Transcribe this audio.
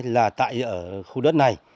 là tại ở khu đất này